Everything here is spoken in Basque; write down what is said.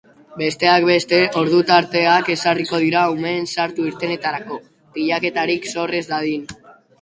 Besteak beste, ordu-tarteak ezarriko dira umeen sartu-irtenetarako, pilaketarik sor ez dadin.